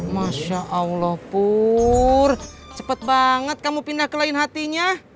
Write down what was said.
masya allah pur cepat banget kamu pindah ke lain hatinya